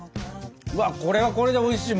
これはこれでおいしい！